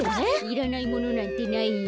いらないものなんてないよ。